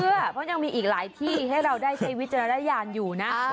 เพราะยังมีอีกหลายที่ให้เราได้ใช้วิจารณญาณอยู่นะ